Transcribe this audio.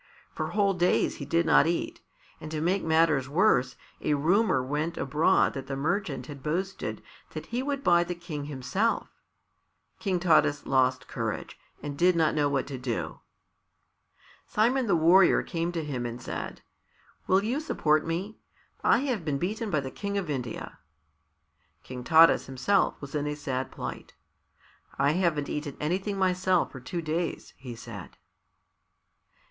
For whole days he did not eat, and to make matters worse a rumour went abroad that the merchant had boasted that he would buy the King himself. King Taras lost courage, and did not know what to do. Simon the Warrior came to him and said, "Will you support me? I have been beaten by the King of India." King Taras himself was in a sad plight. "I haven't eaten anything myself for two days," he said.